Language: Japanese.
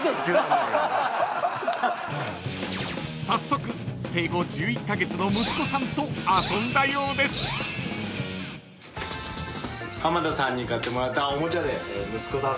［早速生後１１カ月の息子さんと遊んだようです］